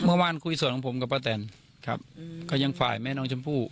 เมื่อวานคุยส่วนของผมกับป้าแตนครับก็ยังฝ่ายแม่น้องชมพู่